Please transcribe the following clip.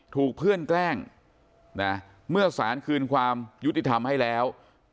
ถูกเพื่อนแกล้งนะเมื่อสารคืนความยุติธรรมให้แล้ว